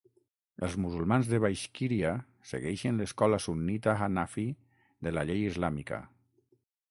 Els musulmans de Baixkíria segueixen l'escola sunnita Hanafi de la llei islàmica.